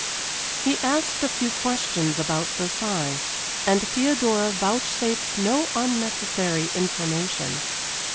He asked a few questions about Versailles, and Theodora vouchsafed no unnecessary information.